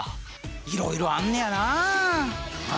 いろいろあんねやなあ。